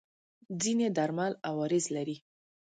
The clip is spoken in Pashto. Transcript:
ځینې درمل عوارض لري.